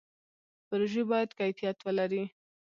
پروژې باید کیفیت ولري